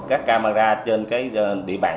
các camera trên địa bàn